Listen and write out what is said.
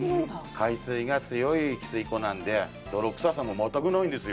海水が強い汽水湖なんで泥臭さもまったくないんですよ。